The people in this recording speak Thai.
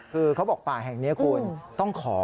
คือเขาบอกป่าแห่งนี้คุณต้องขอ